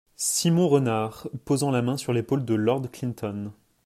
Simon Renard , posant la main sur l’épaule de Lord Clinton.